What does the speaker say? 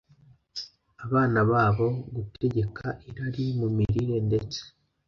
abana babo gutegeka irari mu mirire ndetse